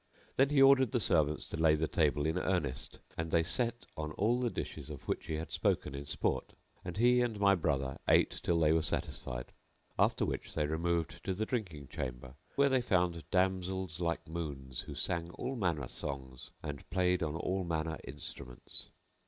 Then he ordered the servants to lay the table in earnest and they set on all the dishes of which he had spoken in sport; and he and my brother ate till they were satisfied; after which they removed to the drinking chamber, where they found damsels like moons who sang all manner songs and played on all manner instruments.